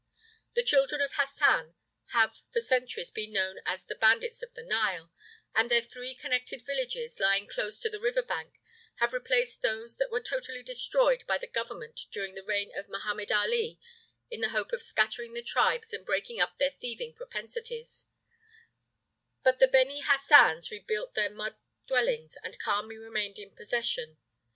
The children of Hassan have for centuries been known as "the bandits of the Nile," and their three connected villages, lying close to the river bank, have replaced those that were totally destroyed by the Government during the reign of Mohammed 'Ali in the hope of scattering the tribes and breaking up their thieving propensities; but the Beni Hassans rebuilt their mud dwellings and calmly remained in possession.